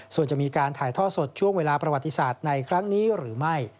ส่วนจะมีการถ่ายท่อสดช่วงเวลาประวัติศาสตร์ในครั้งนี้หรือไม่